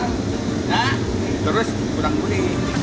nah terus kurang kuri